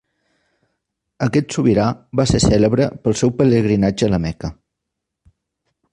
Aquest sobirà va ser cèlebre pel seu pelegrinatge a la Meca.